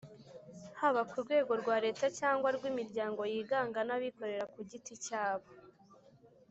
(haba ku rwego rwa leta cyangwa rw'imiryango yiganga n'abikorera ku giti cyabo),